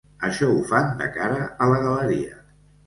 Això ho fan de cara a la galeria.